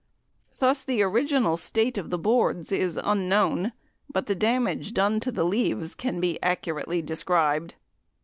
Thus the original state of the boards is unknown, but the damage done to the leaves can be accurately described.